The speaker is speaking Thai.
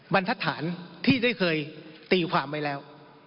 บรรทัศน์ที่ได้เคยตีความไว้แล้ว